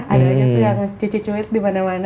ada aja tuh yang cecewit dimana mana